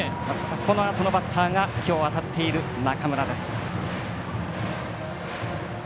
このあとのバッターがきょう当たっている中村です。